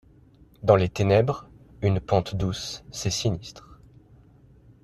Dans les ténèbres, une pente douce, c’est sinistre.